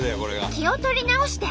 気を取り直して。